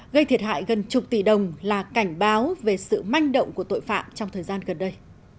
gây thiệt hại gần chục tỷ đồng là cảnh báo về sự manh động của tội phạm trong thời gian gần đây